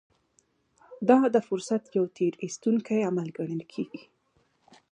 دا د فرصت يو تېر ايستونکی عمل ګڼل کېږي.